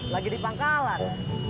lagi di pangkalan